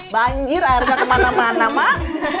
banjir akhirnya kemana mana mak